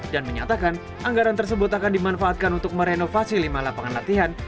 dan menyatakan anggaran tersebut akan dimanfaatkan untuk merenovasi lima lapangan latihan